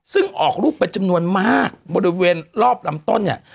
ซึ่งออกรูปเป็นจำนวนมากบริเวณรอบลำต้นเนี่ย